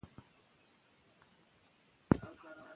رېدي او شاه محمود په ماشومتوب کې سره ملګري وو.